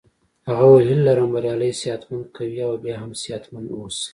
هغه وویل هیله لرم بریالی صحت مند قوي او بیا هم صحت مند اوسې.